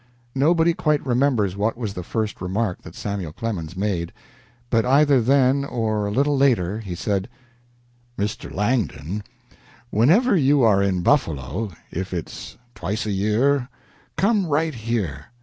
Nobody quite remembers what was the first remark that Samuel Clemens made, but either then or a little later he said: "Mr. Langdon, whenever you are in Buffalo, if it's twice a year, come right here.